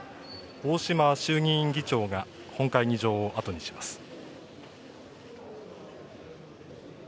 大島衆議院議長が本会議場を後にします。